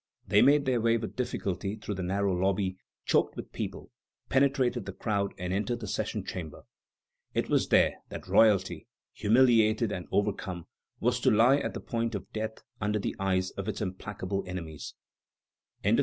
They made their way with difficulty through the narrow lobby, choked with people, penetrated the crowd, and entered the session chamber. It was there that royalty, humiliated and overcome, was to lie at the point of death under the eyes of its implacable enemies. XXIX.